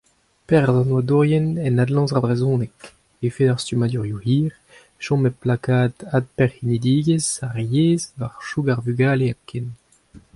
Perzh an oadourien en adlañs ar brezhoneg (efed ar stummadurioù hir, chom hep lakaat adperc'hennidigezh ar yezh war choug ar vugale hepken...).